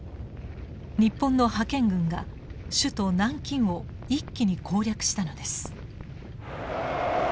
日本の派遣軍が首都南京を一気に攻略したのです。